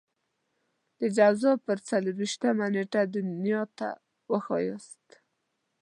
د جوزا پر څلور وېشتمه نېټه دنيا ته وښاياست.